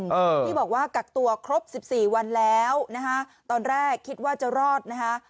ที่บอกว่ากักตัวครบสิบสี่วันแล้วนะคะตอนแรกคิดว่าจะรอดนะคะ